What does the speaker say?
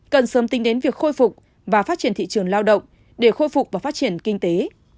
cần sớm tính đến việc khôi phục và phát triển thị trường lao động để khôi phục và phát triển kinh tế